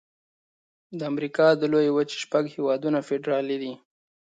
د امریکا د لویې وچې شپږ هيوادونه فدرالي دي.